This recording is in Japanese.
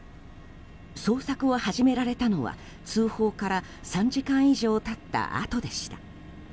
捜索を始められたのは通報から３時間以上経ったあとでした。